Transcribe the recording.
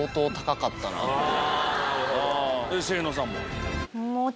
清野さんも？